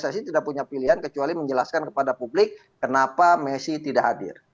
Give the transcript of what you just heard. pssi tidak punya pilihan kecuali menjelaskan kepada publik kenapa messi tidak hadir